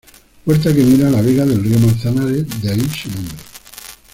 Puerta que mira a la vega del río Manzanares, de ahí su nombre.